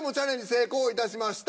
成功いたしました。